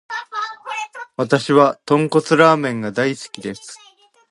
わたしは豚骨ラーメンが大好きです。